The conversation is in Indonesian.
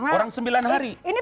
orang sembilan hari